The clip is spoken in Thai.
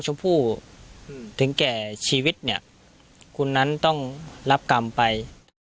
ชมพู่ถึงแก่ชีวิตเนี่ยคุณนั้นต้องรับกรรมไป